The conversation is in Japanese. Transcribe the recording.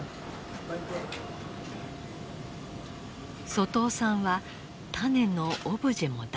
外尾さんは種のオブジェも断念しました。